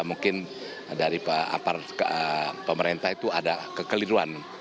mungkin dari pemerintah itu ada kekeliruan